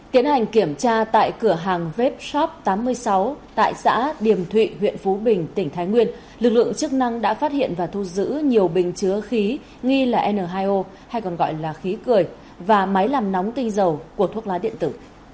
tiến hành kiểm tra tại cửa hàng vepshop tám mươi sáu tại xã điểm thụy huyện phú bình tỉnh thái nguyên lực lượng chức năng đã phát hiện và thu giữ nhiều bình chứa khí nghi là n hai o hay còn gọi là khí cười và máy làm nóng tinh dầu của thuốc lá điện tử